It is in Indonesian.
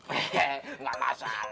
oh nggak masalah